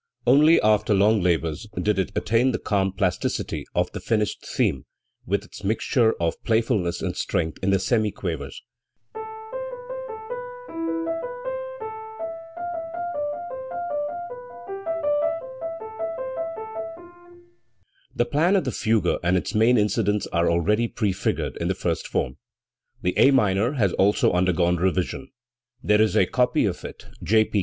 Only after long labour did it attain the calm plasticity of the finished theme, with its mixture of playfulness and strength in the semiquavers, The plan of the fugue and its main incidents are already prefigured in the first form. The A minor has also undergone revision. There is a copy of it J, P.